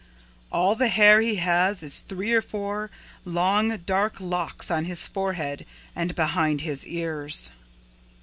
All the hair he has is three or four long dark locks on his forehead and behind his ears."